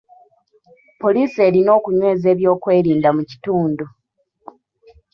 Poliisi erina okunyweza ebyokwerinda mu kitundu.